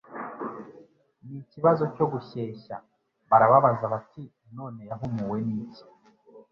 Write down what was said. N'ikibazo cyo gushyeshya barababaza bati: None yahumuwe n'iki?»